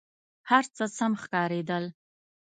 هر څه سم ښکارېدل.